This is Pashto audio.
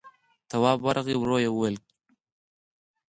تواب ورغی، ورو يې وويل: